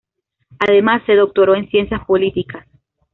Además se doctoró en Ciencias Políticas.